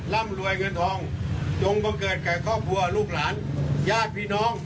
ร่ำรวยเงินทองจงบังเกิดแก่ครอบครัวลูกหลานญาติพี่น้อง